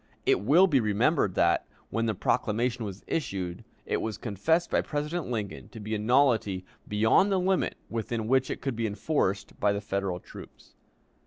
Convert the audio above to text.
It will be remembered that, when the proclamation was issued, it was confessed by President Lincoln to be a nullity beyond the limit within which it could be enforced by the Federal troops.